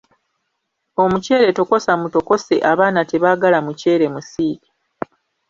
Omuccere ttokosa mutokose abaana tebaagala muceere musiike.